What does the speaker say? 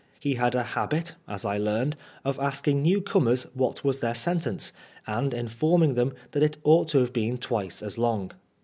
He had a habit, as I learned, of asking new comers what was their sentence, and informing them that it ought to have been twice as long.